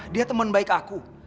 dia teman baik aku